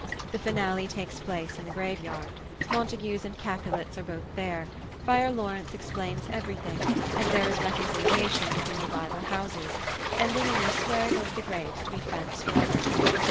The finale takes place in the graveyard: Montagues and Capulets are both there, Friar Laurence explains everything, and there is reconciliation between the rival houses, ending in their swearing over the graves to be friends for ever.